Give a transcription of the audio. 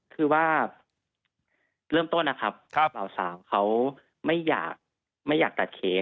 คือว่าเริ่มต้นนะครับครับสาวเขาไม่อยากไม่อยากตัดเค้ก